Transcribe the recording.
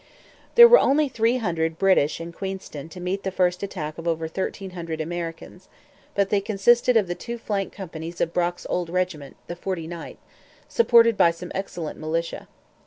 There were only three hundred British in Queenston to meet the first attack of over thirteen hundred Americans; but they consisted of the two flank companies of Brock's old regiment, the 49th, supported by some excellent militia.